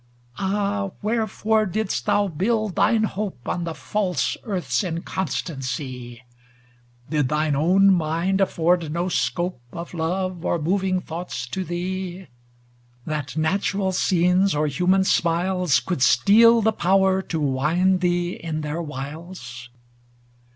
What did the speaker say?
Ah, wherefore didst thou build thine hope On the false earth's inconstancy ? Did thine own mind afford no scope Of love, or moving thoughts to thee. That natural scenes or human smiles Could steal the power to wind thee in their wiles